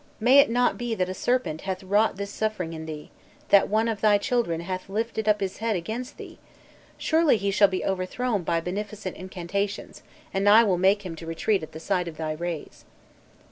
May it not be that a serpent hath wrought this suffering in thee; that one of thy children hath lifted up his head against thee? Surely he shall be overthrown by beneficent incantations, and I will make him to retreat at the sight of thy rays."